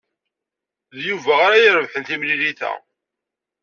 D Yuba ara irebḥen timlilit-a.